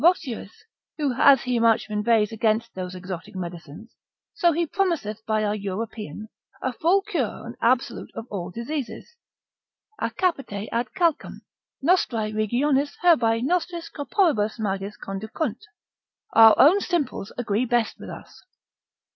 Voschius, who as he much inveighs against those exotic medicines, so he promiseth by our European, a full cure and absolute of all diseases; a capite ad calcem, nostrae regionis herbae nostris corporibus magis conducunt, our own simples agree best with us.